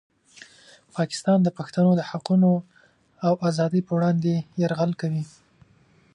پاکستان د پښتنو د حقونو او ازادۍ په وړاندې یرغل کوي.